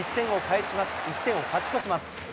１点を勝ち越します。